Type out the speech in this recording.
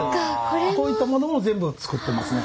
こういったものも全部作ってますね。